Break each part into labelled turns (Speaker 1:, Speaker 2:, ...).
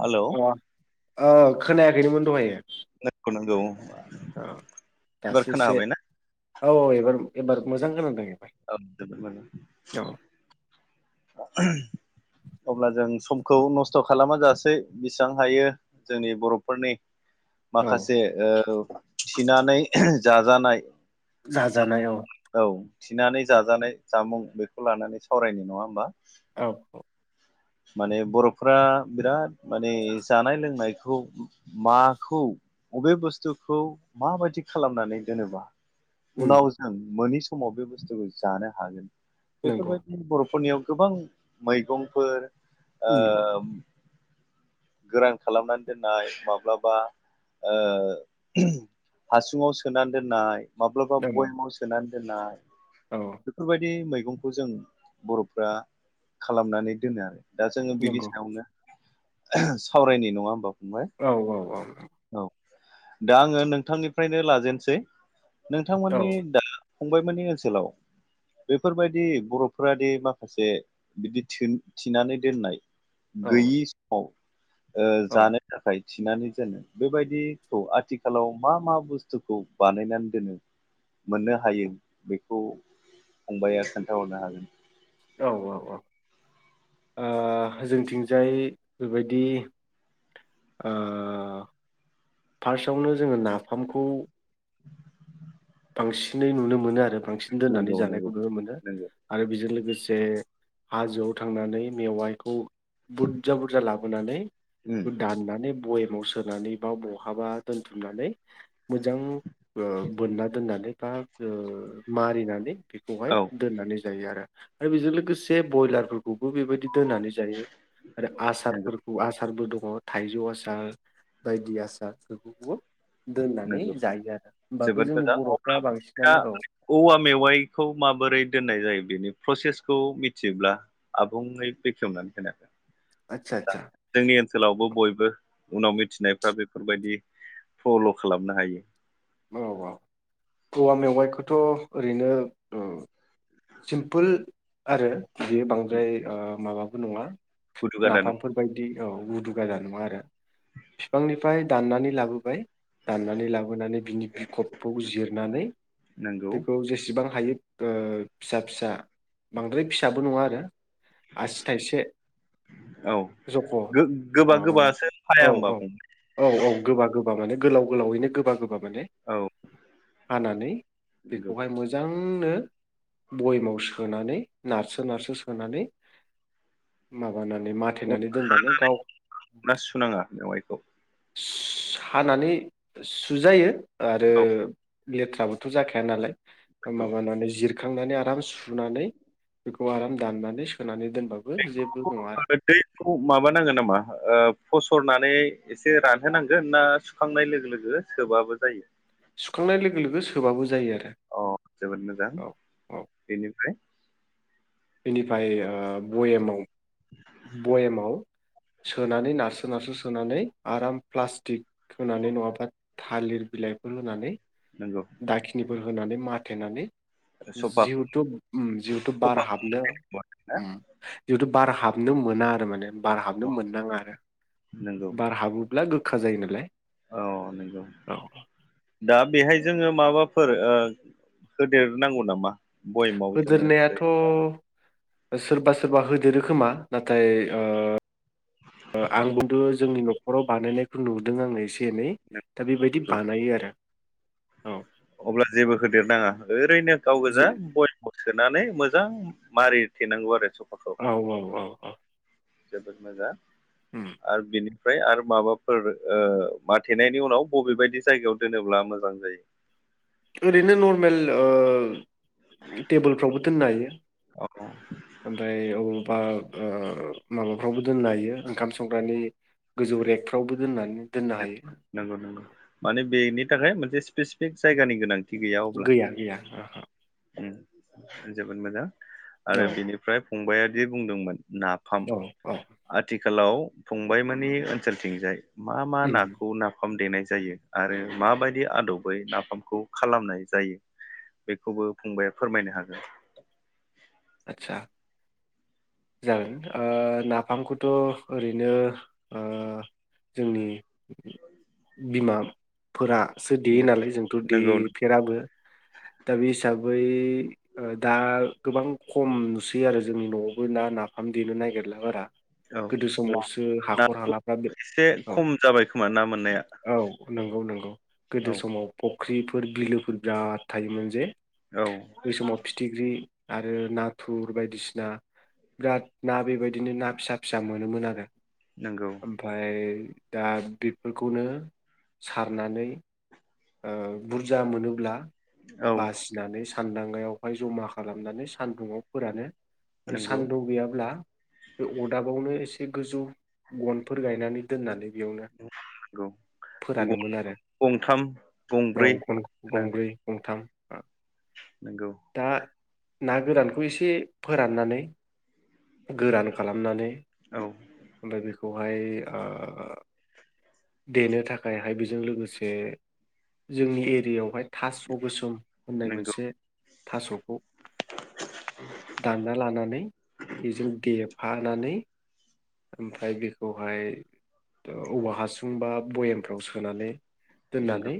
Speaker 1: Hello
Speaker 2: अ औ खोनाया खैनोमोन दहायो
Speaker 1: [unintelligible]
Speaker 2: अ
Speaker 1: एबार
Speaker 2: दासो एसे
Speaker 1: खोनाहाबायना
Speaker 2: औ औ एबार एबार मोजां खोनादों एबार औ
Speaker 1: [unintelligible] अब्ला जों समखौ नस्थ' खालामा जासै बेसां हायो जोंनि बर'फोरनि
Speaker 2: औ
Speaker 1: माखासे ओ थिनानै जाजानाय
Speaker 2: जाजानायाव
Speaker 1: औ थिनानै जाजानाय जामुं बेखौ लानानै सावरायनायनि नङा होमबा
Speaker 2: औ
Speaker 1: माने बर'फोरा बिराद माने जानाय लोंनायखौ माखौ बबे बुस्थुखौ माबायदि खालामनानै दोनोबा
Speaker 2: उम
Speaker 1: उनाव जों मोनिस समाव बे बुस्थुखौ जानो हागोन
Speaker 2: नंगौ
Speaker 1: बेफोरबायदि बर'फोरनियाव गोबां मैगंफोर ओ
Speaker 2: उम
Speaker 1: गोरान खालामनानै दोननाय माब्लाबा ओ हासुङाव सोनानै दोननाय। माब्लाबा
Speaker 2: औ
Speaker 1: बयमाव सोनानै दोन्नाय
Speaker 2: औ
Speaker 1: बेफोरबायदि मै गंखौ जों बर'फ्रा खालामनानै दोनो आरो दा जोङो बिनि
Speaker 2: नंगौ
Speaker 1: सायावनो सावरायनाय नङा होमबा? फंबाय
Speaker 2: औ औ औ औ।
Speaker 1: औ दा आङो नोंथांनिफ्रायनो लाजेनसै
Speaker 2: औ
Speaker 1: नोंथांमोननि दा फंबायमोनि ओनसोलाव बेफोरबायदि बर'फोरादि माखासे बिदि थो थि थिनानै दोननाय
Speaker 2: औ
Speaker 1: गैयि समाव ओ
Speaker 2: औ
Speaker 1: जानो थाखाय। थिनानै दोनो बेबायदिखौ आथिखालाव मा मा बुस्थुखौ बानायनानै दोनो मोननो हायो बेखौ फंबाया खोन्थाहरनो हागोन।
Speaker 2: औ औ औ ओ जोंथिंजाय बेबायदि ओ फार्स्टआवनो जोङो नाफामखौ
Speaker 1: [inaudible]
Speaker 2: बांसिनै नुनो मोनो आरो। बांसिन दोननानै
Speaker 1: नंगौ
Speaker 2: जानायखौ
Speaker 1: नंगौ
Speaker 2: नुनो मोनो
Speaker 1: नंगौ
Speaker 2: आरो बेजों लोगो से हाजोआव थांनानै मेवाइखौ बुरजा बुरजा लाबोनानै
Speaker 1: उम
Speaker 2: दाननानै बय याव सोनानै बा बहाबा दोनथुमनानै मोजां ओ बोनना दोननानै बा ओ मारिनानै बेखौहाय
Speaker 1: औ
Speaker 2: दोननानै जायो आरो। आरो बेजों लोगोसे बयलारफोरखौबो बेबायदि दोननानै जायो आरो
Speaker 1: नंगौ
Speaker 2: आसारफोरखौ आसा आसारबो दङ थाइजौ आसार बायदि आसार फोरखौबो दोननानै
Speaker 1: नंगौ
Speaker 2: जायो आरो होमबाबो
Speaker 1: जोबोद
Speaker 2: जोंनि
Speaker 1: अब्ला
Speaker 2: बर'फ्रा
Speaker 1: नोंहा
Speaker 2: बांसिनानो औ
Speaker 1: औवा मेवाइखौ माबोरै दोननाय जायो। बेनि प्रसेसखौ मिथियोब्ला आबुङै बेखेवनानै होना हो
Speaker 2: आदसा
Speaker 1: दा
Speaker 2: आदसा
Speaker 1: जोंनि ओनसोलावबो बयबो। उनाव मिथिनायफ्रा बेफोरबायदि फल' खालामनो हायो।
Speaker 2: औ औ औवा मेवाइखौथ' ओरैनो औ सिमफुल आरो बियो बांद्राय ओ माबा बो नङा
Speaker 1: गुदु गादा
Speaker 2: नाफामफोर बायदि औ गुदु गादा नङा आरो फिफांनिफाय दाननानै लाबोबाय दाननानै लाबोनानै बिनि बिखबखौ जिरनानै
Speaker 1: नंगौ
Speaker 2: बेखौ जेसेबां हायो ओ फिसा फिसा बांद्राय फिसाबो नङा आरो आसि थायसे
Speaker 1: औ
Speaker 2: जख'
Speaker 1: गोबा
Speaker 2: माबाना
Speaker 1: गोबासो
Speaker 2: औ
Speaker 1: फाया होमबा
Speaker 2: औ
Speaker 1: फंबाय
Speaker 2: औ औ गोबा गोब ओ माने गोलाव गोलावैनो गोबा गोब माने
Speaker 1: औ
Speaker 2: हानानै
Speaker 1: नंगौ
Speaker 2: बेखौहाय मोजां मोजांनो बयमाव सोनानै नारसो नारसो सोनानै माव
Speaker 1: हानानै ना सुनाङा मेवाइखौ
Speaker 2: हानानै सु सुजायो आरो
Speaker 1: औ
Speaker 2: लेथ थ्राबोथ' जाखाया नालाय
Speaker 1: नंगौ
Speaker 2: माबानानै जिरखांनानै आ राम सुनानै बेखौ आराम दाननानै सोनानै दोनबाबो जेबो नङा आरो
Speaker 1: [inaudible] दैखौ माबानांगोन नामा ओ फसरना ननै एसे रानहोनांगोन ना सुखांनाय लोगो लोगो सोबाबो जायो
Speaker 2: सुखांनाय लोगो लोगो सोबाबो जायो आ
Speaker 1: अ जोबोद मोजां बेनिफ्राय
Speaker 2: बिनिफाय ओ बयेमाव बयेमाव सोनानै नारसो नारसो सोनानै आराम प्लास्टिक खोनानै नङाबा थालिर बिलाइफोर होनानै
Speaker 1: नंगौ
Speaker 2: दाखिनिफोर होनानै माथेनानै
Speaker 1: सफा
Speaker 2: जिउथुब उम जिउथुब बार
Speaker 1: सफा
Speaker 2: हाब
Speaker 1: ना
Speaker 2: [unintelligible] थु बार हाबनो मोना आरो माने बार हाबनो
Speaker 1: अ
Speaker 2: मोननाङा आरो
Speaker 1: नंगौ
Speaker 2: बार हाबोब्ला गो खा जायो नालाय
Speaker 1: औ नोंगौ
Speaker 2: औ
Speaker 1: दा बेहाय जोङो माबा फोर ओ होदेरनांगौ नामा बयेमाव जोङो
Speaker 2: होदेरनायाथ'
Speaker 1: सोयोबा
Speaker 2: सोरबा सोरबा होदेरो खोमा नाथाय ओ आंबोथ' जोंनि न'खराव बानायनायखौ नुदों आंङो एसे एनै दा बेबायदि
Speaker 1: नंगौ
Speaker 2: बानायो आरो औ
Speaker 1: अब्ला जेबो होदेरनाङा ओ रैनो गाव
Speaker 2: जि
Speaker 1: गोजा बयेमाव सोनानै मोजां मारि थेनांगौ आरो स
Speaker 2: औ औ औ औ
Speaker 1: जोबोद मोजां
Speaker 2: उम
Speaker 1: आरो बिनि फ्राय आरो माबाफोर ओ माथेनायनि उनाव बबेबायदि जायगायाव दोनोब्ला मोजां जायो
Speaker 2: आरैनो नर्मेल ओ टेबोलफ्रावबो दोननो हायो
Speaker 1: औ
Speaker 2: ओमफ्राय औ बा ओ माबाफ्रावबो दोननो हायो ओंखाम संग्रानि गोजौ रेगफ्रावबो दोननो हायो
Speaker 1: नंगौ नंगौ नंगौ माने बेनि नि थाखाय मोनसे स्पेसिफिक जायगानि गोनां
Speaker 2: गैया गैया ओहो
Speaker 1: उम जोबोद मोजां आरो
Speaker 2: औ
Speaker 1: बिनिफ्राय फंबायादि बुंदोंमोन नाफाम
Speaker 2: औ औ
Speaker 1: आथि आथिखालाव फंबाय मोननि ओनसोलथिंजाय मा मा
Speaker 2: उम
Speaker 1: नाखौ नाफाम देनाय जायो आरो माबायदि आदबै नाफामखौ खालामनाय जायो बे खौबो फंबाया फोरमायनो हागोन
Speaker 2: आदसा जागोन ओ नाफामखौथ' ओरैनो ओ जोंनि बिमाफोरा सो देयो नालाय जोंथ'
Speaker 1: नंगौ
Speaker 2: देफेराबो दा बे हिसाबै ओ दा गोबां खम नुसै आरो जोंनि न'आवबो ना नाफाम देनो नागिरला बारा
Speaker 1: औ
Speaker 2: गोदो
Speaker 1: ना
Speaker 2: समावसो
Speaker 1: ना
Speaker 2: हाखर हालाफ्रा बे
Speaker 1: एसे
Speaker 2: औ
Speaker 1: खम जाबाय खोमा ना मोननाया
Speaker 2: औ नंगौ नंगौ गोदो
Speaker 1: औ
Speaker 2: समाव फख - फुख्रिफोर बिलोफोर बिराद थायोमोन जे
Speaker 1: औ
Speaker 2: बै समाव फिथिग्रि नाय रो नाथुर बायदिसिना बिराद ना बेबायदिनो ना फिसा फिसा मोनोमोन आरो।
Speaker 1: नंगौ
Speaker 2: ओमफाय दा बेफोरखौनो सारनानै ओ बुरजा मोनोब्ला
Speaker 1: औ
Speaker 2: बासिनानै सा सानदांगायावहाय जमा खालामनानै सानदुंङाव फोरानो आरो
Speaker 1: नंगौ
Speaker 2: सान्दु गैयाब्ला बे अदाबावनो एसे गोजौ गनफोर गायनानै दोननानै बेयावनो
Speaker 1: नंगौ
Speaker 2: फोरानोमोन
Speaker 1: गनखौ
Speaker 2: आरो
Speaker 1: गंथाम
Speaker 2: औ
Speaker 1: गंब्रै
Speaker 2: गंनखौ गंब्रै गं थाम आ
Speaker 1: नोंगौ।
Speaker 2: ना गोरानखौ एसे फोराननानै गोरान खालामनानै
Speaker 1: औ
Speaker 2: ओमफाय बेख खौहाय ओ देनो थाखायहाय बेजों लोगोसे जोंनि एरियायावहाय थास' गोसोम होननाय
Speaker 1: नंगौ
Speaker 2: मोनसे थास'खौ दानना लानानै बेजों देब हानानै ओमफाय बेखौहाय दो औवा हासुं बा बयेमफ्राव सोनानै
Speaker 1: नंगौ
Speaker 2: दोननानै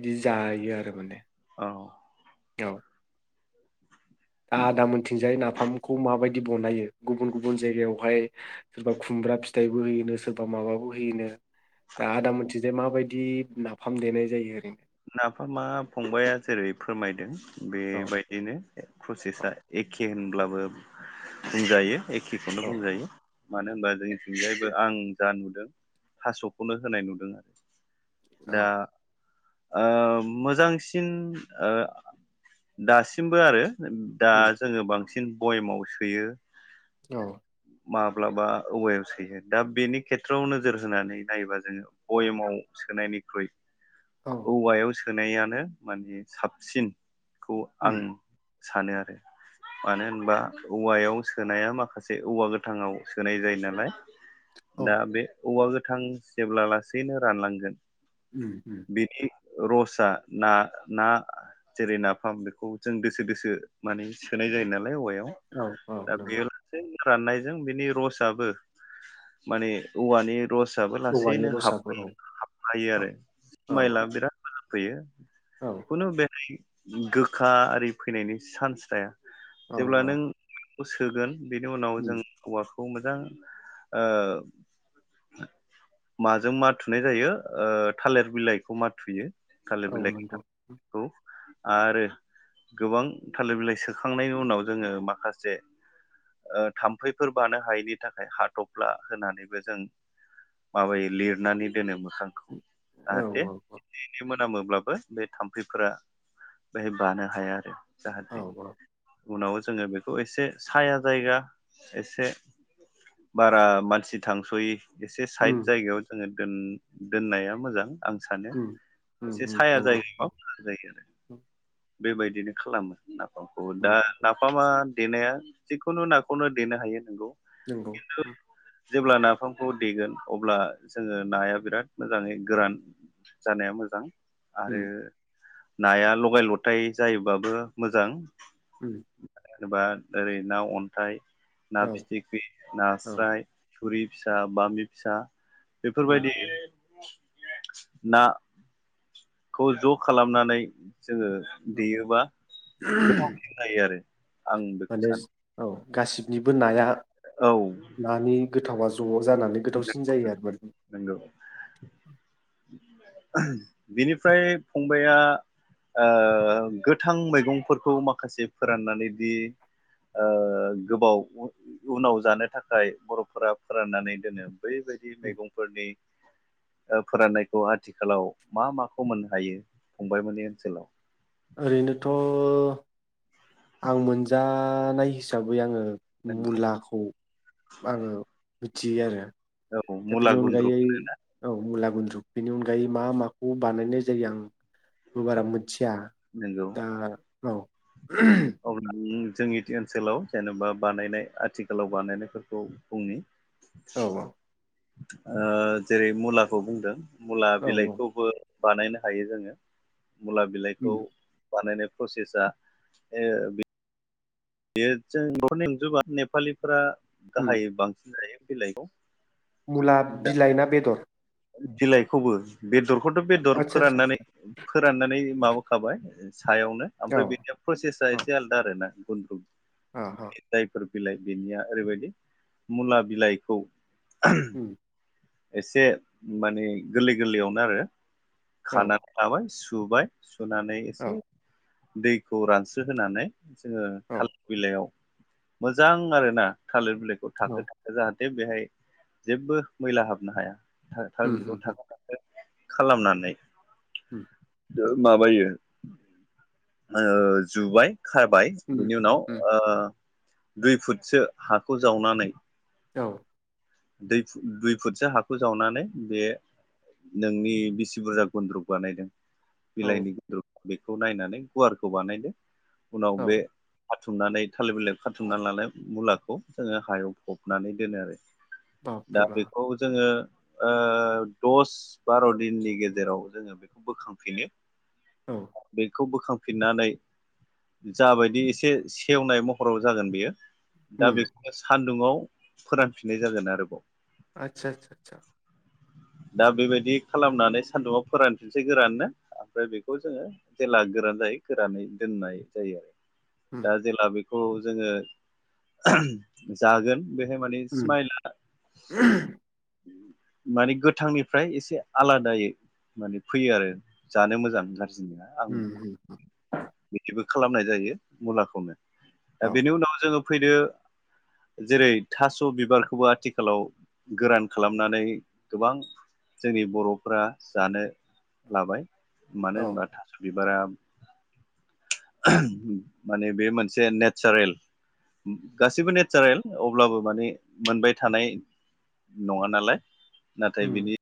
Speaker 2: इदि जायो आरो माने।
Speaker 1: औ
Speaker 2: औ आदा मोनथिंजाय नाफामखौ माबाय दि बनायो गुबुन गुबुन जायगायावहाय सोरबा खुमब्रा फिथाइबो होयोनो सोरबा माबाबो होयोनो दा आदा मोनथिंजाय माबायदि नाफाम देनाय जायो ओरैनो
Speaker 1: नाफामा फंबाया जेरै फोरमायदों
Speaker 2: औ
Speaker 1: बेबायदिनो प्रसेसा एखे होन ब्लाबो बुंजायो। एखेखौनो
Speaker 2: औ
Speaker 1: बुंजायो मानो होनबा जोंनिथिंजायबो आं जा नुदों थास'खौनो होनाय नुदों आरो दा
Speaker 2: औ
Speaker 1: ओ मोजांसिन ओ दासिमबो आरो दा
Speaker 2: उम
Speaker 1: जोङो बांसिन बयमाव सोयो
Speaker 2: औ
Speaker 1: माब्लाबा औवायाव सोयो दा बेनि खेथ्रआव नोजोर होनानै नायोबा जोङो बयेमाव सोनायनिख्रुइ
Speaker 2: औ
Speaker 1: औवायाव सो नायानो माने साबसिन खौ आं
Speaker 2: उम
Speaker 1: सानो आरो मानो होनबा औवायाव सोनाया माखासे औवा गोथांआव सोनाय जायो नालाय
Speaker 2: औ
Speaker 1: दा बे औवा गो थां जेब्ला लासैनो रानलांगोन
Speaker 2: उम उम
Speaker 1: बिनि रसआ ना ना जेरै नाफाम बेखौ जों दोसो दोसो माने सोनाय जायो नालाय औवायाव
Speaker 2: औ औ
Speaker 1: दा
Speaker 2: नंगौ
Speaker 1: बेयो लासै राननायजों बिनि रसाबो माने औवानि रस बो
Speaker 2: औवानि
Speaker 1: लासैनो हाब
Speaker 2: रसाबो औ
Speaker 1: हाबलायो
Speaker 2: औ
Speaker 1: आरो
Speaker 2: औ
Speaker 1: इसमाइला बिराद फैयो
Speaker 2: औ
Speaker 1: खुन' [unintelligible] गोखा आरि फैनायनि सान्स थाया
Speaker 2: औ
Speaker 1: जेब्ला
Speaker 2: औ
Speaker 1: नों खौ सोगोन बेनि उनाव
Speaker 2: उम,
Speaker 1: जों औवा खौ मोजां ओ माजों मा थुनाय जायो ओ थालेर बिलाइखौ मा थुयो थालिर
Speaker 2: औ
Speaker 1: बिलाइनि
Speaker 2: नंगौ
Speaker 1: [unintelligible] आरो गोबां थालिर बिलाइ सोखांनायनि उनाव जोङो माखासे ओ थाम्फैफोर बानो हायैनि थाखाय हाथफ्ला होनानैबो जों माबायो लिरनानै दोनोमोन [unintelligible]
Speaker 2: औ
Speaker 1: जाहाथे
Speaker 2: औ
Speaker 1: मोनामोब्लाबो बे थाम्फैफोरा बेहाय बानो हाया आरो जाहाथे
Speaker 2: औ औ
Speaker 1: उनाव जोङो बेखौ एसे साया जायगा एसे बारा मानसि थांस'यै एसे साइद
Speaker 2: उम
Speaker 1: जायगायाव जोङो दोन-दोननाया मोजां आं सानो
Speaker 2: उम उम
Speaker 1: एसे
Speaker 2: उम
Speaker 1: साया
Speaker 2: नंगौ
Speaker 1: जायोबा मोजां जायो आरो बेबायदिनो खालामो होनना
Speaker 2: उम
Speaker 1: दा नाफामा देनाया जिखुनु नाखौनो देनो हायो नोंगौ
Speaker 2: नोंगौ
Speaker 1: जेब्ला नाफामखौ देगोन अब्ला जोङो नाया बिराद मोजाङै गोरान जानाया मोजां आरो नाया लगाय लथाय जायोबाबो मोजां
Speaker 2: उम
Speaker 1: जेन'बा ओरै ना अन्थाइ ना
Speaker 2: औ
Speaker 1: फिथिख्रि
Speaker 2: औ
Speaker 1: नास्राय थुरि फिसा बामि फिसा
Speaker 2: उम
Speaker 1: बेफोरबायदि [unintelligible] ना खौ ज' खालामनानै जोङो
Speaker 2: औ
Speaker 1: देयोबा गोथावसिन जायो आरो आं बेखौ
Speaker 2: माने
Speaker 1: सानो
Speaker 2: औ गासिब निबो नाया
Speaker 1: औ
Speaker 2: नानि गोथावा ज'आव जानानै गोथावसिन जायो आरो माने
Speaker 1: बिनिफ्राय फंबाइया ओ गोथां मैगंफोरखौ माखासे फोराननानैदि ओ गोबाव उनाव जानो थाखाय बर'फोरा फोराननानै दोनो बैबायदि
Speaker 2: उम
Speaker 1: मैगंफोरनि ओ फोराननायखौ आथिखालाव मा माखौ मोननो हायो फंबायमोनि ओनसोलाव
Speaker 2: ओरैनोथ' आं मोनजानाय हिसाबै आङो मुलाखौ आङो मिथियो आरो
Speaker 1: औ
Speaker 2: दा बेनि
Speaker 1: मुला गुन्द्रु
Speaker 2: अनगायै औ मुला ला गुन्द्रुग बेनि अनगायै मा माखौ बानायनाय जायो आं बो बारा मिथिया
Speaker 1: नंगौ
Speaker 2: दा औ
Speaker 1: अब्ला जोंनि ओनसोलाव जेन'बा बानायनाय आथिखालाव बानायनायफोरखौ बुंनि
Speaker 2: औ औ
Speaker 1: ओ जेरै मुलाखौ बुंदों मुला
Speaker 2: औ औ
Speaker 1: बिलाइखौबो बानायनो हायो जोङो मुला
Speaker 2: उम
Speaker 1: बिलाइखौ बानायनायखौ प्रसेसा ए बे बेयो जों [unintelligible] जोबा [unintelligible] नेपालिफोरा
Speaker 2: उम
Speaker 1: गाहाय बांसिन जायो बिलायखौ
Speaker 2: मुला बिलाइ ना बेदर
Speaker 1: बिलाइखौबो बे बेदरखौथ' बेदर
Speaker 2: आदसा आदसा
Speaker 1: फोराननानै
Speaker 2: आदसा
Speaker 1: फोराननानै माबाखाबाय सायावनो
Speaker 2: औ
Speaker 1: ओमफ्राय बिनि प्रसेसा एसे आलदा आरो ना गुन्द्रुग
Speaker 2: आ ह
Speaker 1: बिलाइ बिनिया ओरैबायदि मुला बिलाइखौ
Speaker 2: उम
Speaker 1: [inaudible] एसे माने गोरलै गोरलैयावनो आरो
Speaker 2: औ
Speaker 1: खानानै लाबाय टुबाय नानै
Speaker 2: औ
Speaker 1: एसे दैखौ रानसो होनानै जोङो
Speaker 2: औ
Speaker 1: थालिर बिलाइयाव मोजां आरोना थालिर बिलाइखौ थाखो
Speaker 2: औ
Speaker 1: थाखो जाहा थे बेहाय जेबो मैला हाबनो हाया
Speaker 2: उम उम
Speaker 1: [unintelligible] खालामनानै
Speaker 2: उम
Speaker 1: माबायो ओ जुबाय खाबाय
Speaker 2: उम
Speaker 1: बिनि उनाव
Speaker 2: उम
Speaker 1: दुइ फुटसो हाखौ जावनानै
Speaker 2: औ
Speaker 1: दुइ फुट दुइ फुटसो हाखौ जावनानै बे नोंनि बिसि बुरजा गुन्द्रब बानायदों
Speaker 2: औ
Speaker 1: बिलाइनि गुनद्रुख बेखौ नायनानै गुवारखौ बानायदो उनाव
Speaker 2: औ
Speaker 1: बे खाथुमनानै थालिर बिलायाव खाथुमनानै लानाय मुलाखौ जोङो हायाव फबनानै दोनो आरो। दा
Speaker 2: बाबरे बा
Speaker 1: बेखौ जोङो। ओ दस बार' दिननि गेजेराव जोङो बेखौ बोखांफिनो
Speaker 2: औ
Speaker 1: बेखौ बो खांफिननानै जाबायदि एसे सेवनाय महराव जागोन बेयो। दा
Speaker 2: उम
Speaker 1: बेखौनो सान दुंआव फोरान फिननाय जागोन आरोबाव
Speaker 2: आतसा आसा आसा
Speaker 1: दा बेबायदि खालामनानै सान्दुंङाव फोरानफिनसै गोराननो ओमफ्राय बेखौ जोङो जेब्ला गोरान जायो गोरानै दोननाय जायो। आरो
Speaker 2: उम
Speaker 1: दाजेला बि खौ जोङो जागोन बेहाय मा
Speaker 2: उम [unintelligible]
Speaker 1: माने गोथांनिफ्राय एसे आलादायै माने फैयो आरो जानो मोजां नोंथां। जिना
Speaker 2: उम
Speaker 1: आंबो
Speaker 2: उम
Speaker 1: बिदिबो खालामनाय जायो मुलाखौनो। दा
Speaker 2: औ
Speaker 1: बेनि उनाव जोङो फैदो जेरै थास स' बिबारखौबो आथिखालाव गोरान खालामनानै गोबां जोंनि बर'फ्रा जानो लाबाय। मानो
Speaker 2: औ
Speaker 1: होमबा थास' बिबारा माने बे मोनसे नेचारेल गा गासिबो नेचारेल अब्लाबो माने। मोनबाय थानाय नङा नालाय। नाथाय
Speaker 2: उम
Speaker 1: बिनि